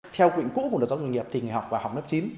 theo quịnh cũ của giáo dục trung nghiệp thì người học vào học lớp chín